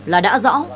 là đã rõ